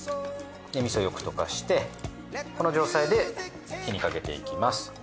みそをよく溶かしてこの状態で火にかけていきます。